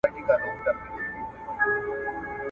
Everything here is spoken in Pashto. دومره مخته باید ولاړ سې چي نن لیري درښکاریږي ..